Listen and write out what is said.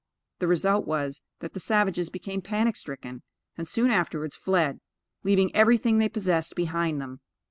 The result was, that the savages became panic stricken, and soon afterwards fled, leaving everything they possessed behind them.